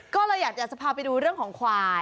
ก็เลยอยากจะพาไปดูเรื่องของควาย